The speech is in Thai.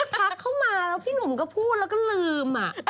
พักเข้ามาแล้วพี่หนุ่มก็พูดแล้วก็ลืม